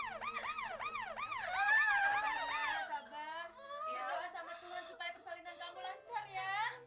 ya allah sama tuhan supaya persalinan kamu lancar ya